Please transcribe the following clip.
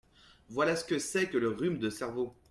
Voilà ce que c’est que le rhume de cerveau !…